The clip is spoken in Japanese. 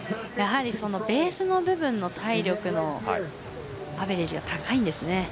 やはり、ベースの部分の体力のアベレージが高いんですね。